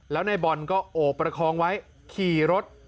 แล้วนายบอลก็โอบประคองไว้ขี่รถ